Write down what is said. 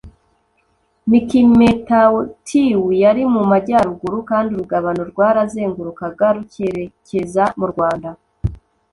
mikimetatiw yari mu majyaruguru kandi urugabano rwarazengurukaga rukerekeza murwanda